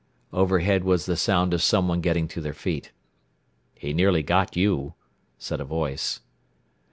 Overhead was the sound of someone getting to their feet. "He nearly got you," said a voice.